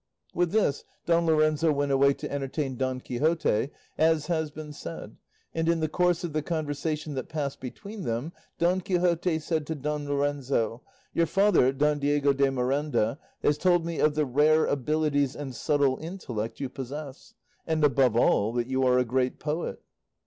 With this Don Lorenzo went away to entertain Don Quixote as has been said, and in the course of the conversation that passed between them Don Quixote said to Don Lorenzo, "Your father, Señor Don Diego de Miranda, has told me of the rare abilities and subtle intellect you possess, and, above all, that you are a great poet."